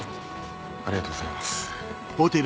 ありがとうございます。